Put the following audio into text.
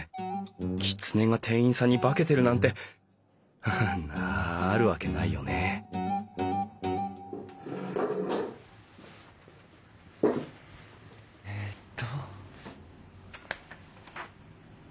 きつねが店員さんに化けてるなんてハハあるわけないよねえっと。